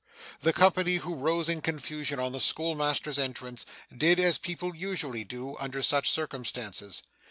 The company, who rose in confusion on the schoolmaster's entrance, did as people usually do under such circumstances.